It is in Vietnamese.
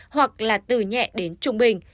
hoặc là từ nhẹ đến trung bình